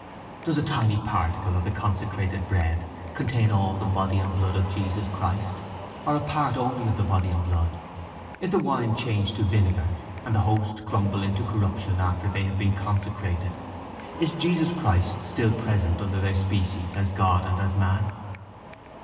Does a tiny particle of the consecrated bread contain all the body and blood of Jesus Christ or a part only of the body and blood? If the wine change into vinegar and the host crumble into corruption after they have been consecrated, is Jesus Christ still present under their species as God and as man?